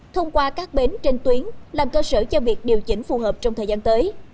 thông qua các bến trên tuyến làm cơ sở cho việc điều chỉnh phù hợp trong thời gian tới